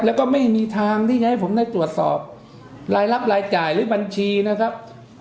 แล้วก็ไม่มีทางที่จะให้ผมได้ตรวจสอบรายรับรายจ่ายหรือบัญชีนะครับ